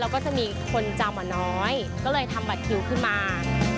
แล้วก็จะมีคนจำอ่ะน้อยก็เลยทำบัตรคิวขึ้นมา